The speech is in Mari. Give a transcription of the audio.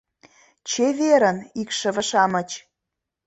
— Чеверын, икшыве-шамыч!..